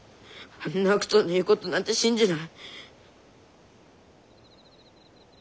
あんな悪党の言うことなんて信じない。